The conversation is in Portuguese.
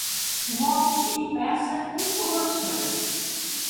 Volte e peça informações.